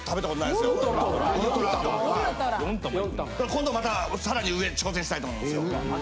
今度またさらに上に挑戦したいと思いますよ。